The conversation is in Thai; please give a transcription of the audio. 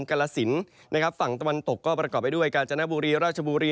กรสินนะครับฝั่งตะวันตกก็ประกอบไปด้วยกาญจนบุรีราชบุรี